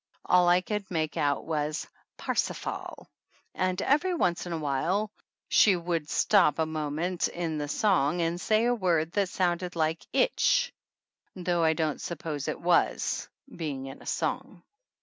All I could make out was "Parsifal," and every once in a while she would stop a minute in the song and say a word that sounded like "Itch," though I don't suppose it was, being in a song.